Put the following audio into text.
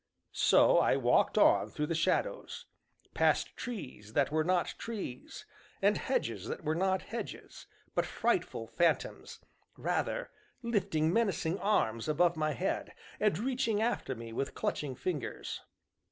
So I walked on through the shadows, past trees that were not trees, and hedges that were not hedges, but frightful phantoms, rather, lifting menacing arms above my head, and reaching after me with clutching fingers.